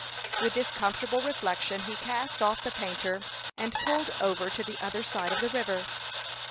With this comfortable reflection he cast off the painter, and pulled over to the other side of the river.